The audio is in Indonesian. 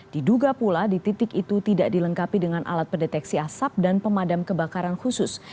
diduga pula di titik itu tidak dilengkapi dengan alat pendeteksi asap dan pemadam kebakaran khusus